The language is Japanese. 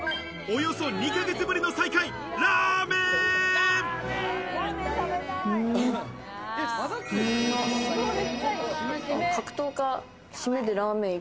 およそ２ヶ月ぶりの再会、ラーメン！